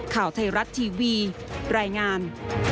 ข่าวไทยรัฐทีวีรายงาน